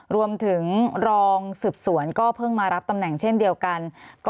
รวมถึงรองสืบสวนก็เพิ่งมารับตำแหน่งเช่นเดียวกัน